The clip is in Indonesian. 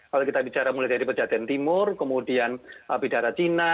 kalau kita bicara mulai dari pejaten timur kemudian bidara cina